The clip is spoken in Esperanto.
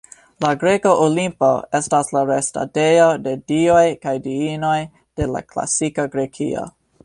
La greka Olimpo estas la restadejo de dioj kaj diinoj de la klasika Grekio.